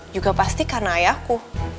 juga pasti karena ayahku